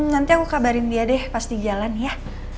nanti aku kabarin dia deh pas di jalan ya